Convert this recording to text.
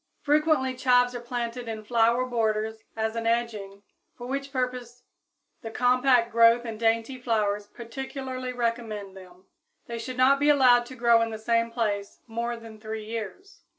Frequently chives are planted in flower borders as an edging, for which purpose the compact growth and dainty flowers particularly recommend them. They should not be allowed to grow in the same place more than three years.